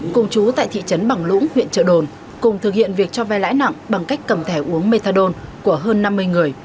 cùng chú tại thị trấn bằng lũng huyện trợ đồn cùng thực hiện việc cho vay lãi nặng bằng cách cầm thẻ uống methadone của hơn năm mươi người